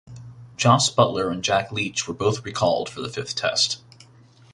Jos Buttler and Jack Leach were both recalled for the fifth Test.